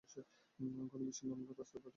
ঘনবৃষ্টি নামল, রাস্তা জলে ভেসে যাচ্ছে।